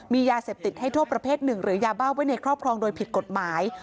มียาเสพติดให้โทษประเภทหนึ่งหรือยาบ้าไว้ในครอบครองโดยผิดกฎหมาย